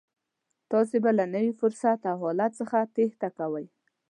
تاسې به له نوي فرصت او حالت څخه تېښته کوئ.